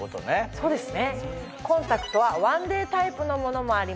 そうですね。